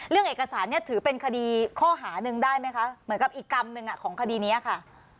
เรื่องเอกสารเนี่ยถือเป็นคดีข้อหาหนึ่งได้ไหมคะเหมือนกับอีกกรรมหนึ่งของคดีนี้ค่ะ